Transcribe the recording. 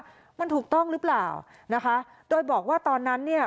ว่ามันถูกต้องหรือเปล่านะคะโดยบอกว่าตอนนั้นเนี่ย